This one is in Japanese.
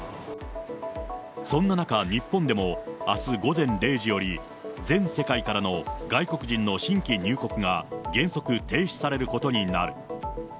そんな中、日本でもあす午前０時より、全世界からの外国人の新規入国が原則、停止されることになる。